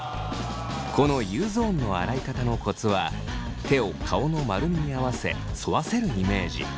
このＵゾーンの洗い方のコツは手を顔の丸みに合わせ沿わせるイメージ。